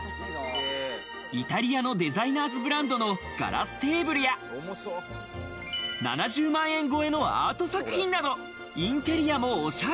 イタリアのデザイナーズブランドのガラステーブルや、７０万円超えのアート作品など、インテリアもおしゃれ。